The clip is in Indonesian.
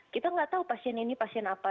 kita nggak tahu pasien ini pasien apa